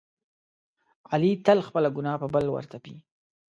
علي تل خپله ګناه په بل ورتپي.